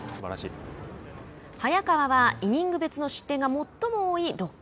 早川はイニング別の失点が最も多い６回。